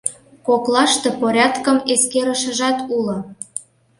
Коклаште порядкым эскерышыжат уло.